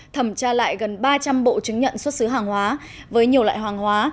thẩm tra lại gần ba trăm linh bộ chứng nhận xuất xứ hàng hóa với nhiều loại hàng hóa